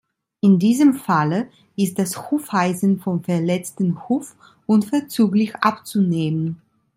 In diesem Falle ist das Hufeisen vom verletzten Huf unverzüglich abzunehmen.